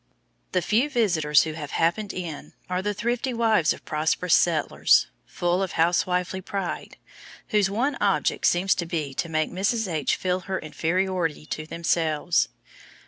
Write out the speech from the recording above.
The few visitors who have "happened in" are the thrifty wives of prosperous settlers, full of housewifely pride, whose one object seems to be to make Mrs. H. feel her inferiority to themselves.